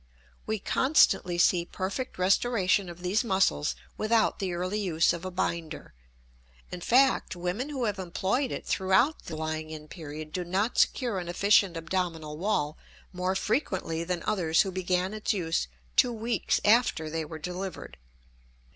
We constantly see perfect restoration of these muscles without the early use of a binder; in fact, women who have employed it throughout the lying in period do not secure an efficient abdominal wall more frequently than others who began its use two weeks after they were delivered.